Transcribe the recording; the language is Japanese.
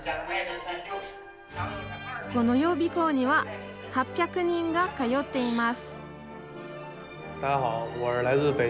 この予備校には、８００人が通っています。